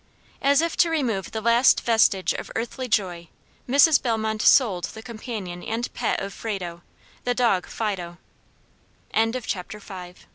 As if to remove the last vestige of earthly joy, Mrs. Bellmont sold the companion and pet of Frado, the dog Fido. CHAPTER VI.